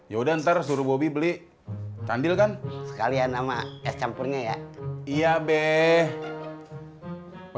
yaudah ntar suruh bobby beli tandil kan kalian nama campurnya ya iya beh